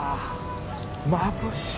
まぶしい。